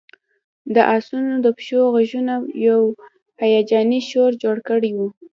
د آسونو د پښو غږونو یو هیجاني شور جوړ کړی و